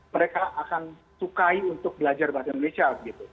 mereka akan sukai untuk belajar bahasa indonesia